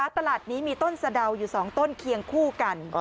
ตลาดนี้มีต้นสะดาวอยู่๒ต้นเคียงคู่กัน